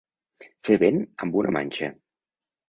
Fer vent amb una manxa.